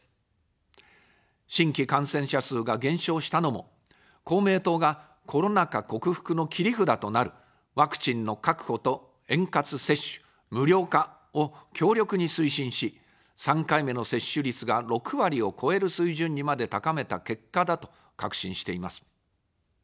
新規感染者数が減少したのも、公明党がコロナ禍克服の切り札となるワクチンの確保と円滑接種、無料化を強力に推進し、３回目の接種率が６割を超える水準にまで高めた結果だと確信しています。